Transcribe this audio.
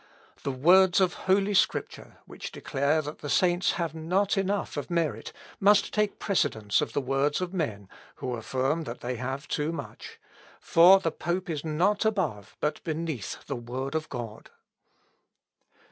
The words of holy Scripture, which declare that the saints have not enough of merit, must take precedence of the words of men, who affirm that they have too much; for the pope is not above, but beneath the word of God."